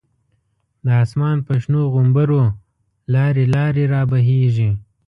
د آسمان په شنو غومبرو، لاری لاری رابهیږی